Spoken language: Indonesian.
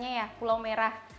misalnya ya pulau merah